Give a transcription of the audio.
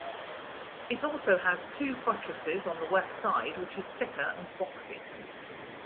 It also has two buttresses on the west side which is thicker and boxy.